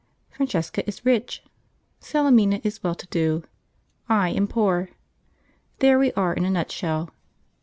Francesca is rich, Salemina is well to do, I am poor. There we are in a nutshell.